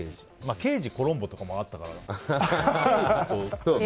「刑事コロンボ」とかもあったから。